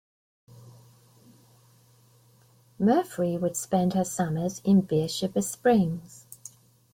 Murfree would spend her summers in Beersheba Springs.